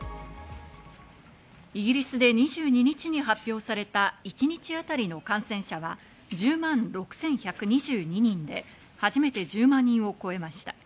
イギリスで２２日に発表された一日当たりの感染者は１０万６１２２人で初めて１０万人を超えました。